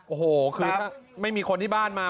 โอ้โหคือไม่มีคนที่บ้านมา